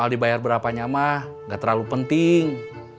soal dibayar berapanya ma nggak terlalu penting